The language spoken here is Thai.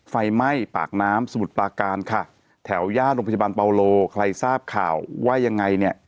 ไฟไหม้ปากน้ำสมุทรปลาการค่ะแถวย่านโรงพยาบาลเปาโลใครทราบข่าวว่ายังไงเนี่ย